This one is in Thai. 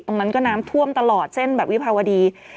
ตรงนั้นก็น้ำท่วมตลอดเส้นแบบวิภาวดี